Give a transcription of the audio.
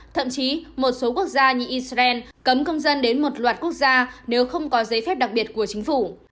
thậm chí một số quốc gia như israel cấm công dân đến một loạt quốc gia nếu không có giấy phép đặc biệt của chính phủ